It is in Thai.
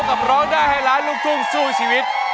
กลับมาพบกับร้องได้ให้ร้านลูกทุ่งสู้ชีวิต